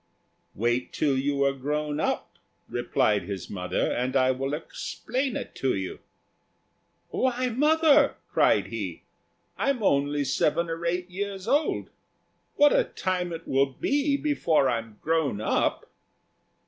"Wait till you are grown up," replied his mother, "and I will explain it to you." "Why, mother," cried he, "I'm only seven or eight years old. What a time it will be before I'm grown up."